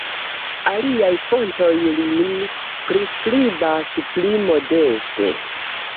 Aliaj fontoj lin priskribas pli modeste.